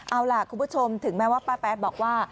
เอาล่ะคุณผู้ชมถึงแม้ว่าป้าแป๊ดบอกว่า